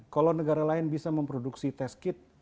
kalau negara lain bisa memproduksi test kit